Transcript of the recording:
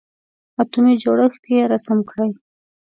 اتومي جوړښت یې رسم کړئ.